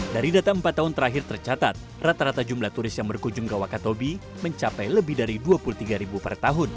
dari data empat tahun terakhir tercatat rata rata jumlah turis yang berkunjung ke wakatobi mencapai lebih dari dua puluh tiga ribu per tahun